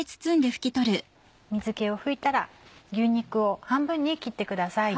水気を拭いたら牛肉を半分に切ってください。